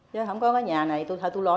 chứ không có cái nhà này thôi tôi lo